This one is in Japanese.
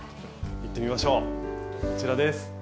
行ってみましょうこちらです。